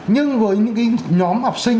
nhưng với những cái nhóm học sinh